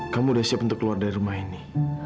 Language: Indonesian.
kamu udah siap untuk keluar dari rumah ini